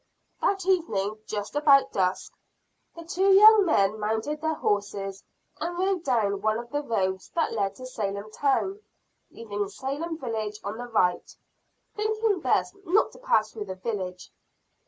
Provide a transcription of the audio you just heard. That evening just about dusk, the two young men mounted their horses, and rode down one of the roads that led to Salem town, leaving Salem village on the right thinking best not to pass through the village.